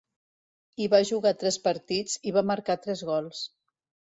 Hi va jugar tres partits i va marcar tres gols.